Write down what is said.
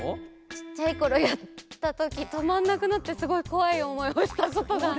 ちっちゃいころやったときとまんなくなってすごいこわいおもいをしたことがある。